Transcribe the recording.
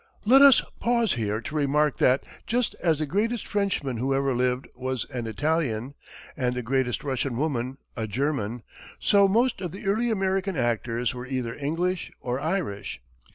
Let us pause here to remark that, just as the greatest Frenchman who ever lived was an Italian, and the greatest Russian woman a German, so most of the early American actors were either English or Irish.